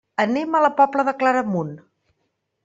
Anem a la Pobla de Claramunt.